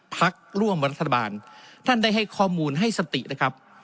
พักร่วมรัฐบาลท่านได้ให้ข้อมูลให้สตินะครับ